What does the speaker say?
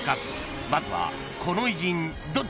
［まずは］